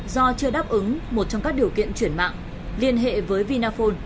do chưa đáp ứng một trong các điều kiện chuyển mạng liên hệ với vinaphone